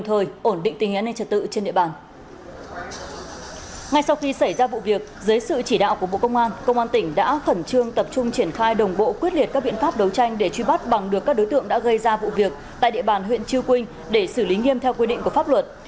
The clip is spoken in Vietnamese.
cơ quan điều tra của bộ công an công an tỉnh đã khẩn trương tập trung triển khai đồng bộ quyết liệt các biện pháp đấu tranh để truy bắt bằng được các đối tượng đã gây ra vụ việc tại địa bàn huyện chư quynh để xử lý nghiêm theo quy định của pháp luật